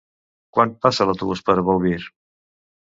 Quan passa l'autobús per Bolvir?